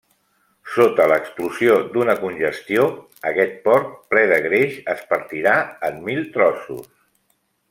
Sota l'explosió d'una congestió, aquest porc ple de greix es partirà en mil trossos.